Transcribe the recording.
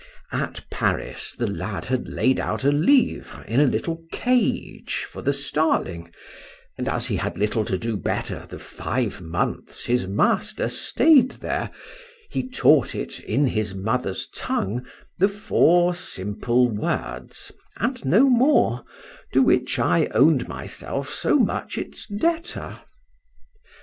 At Paris the lad had laid out a livre in a little cage for the starling, and as he had little to do better the five months his master staid there, he taught it, in his mother's tongue, the four simple words—(and no more)—to which I own'd myself so much its debtor.